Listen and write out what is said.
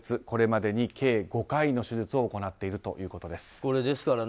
これまでに計５回の手術をしているということです。